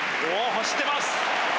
走ってます！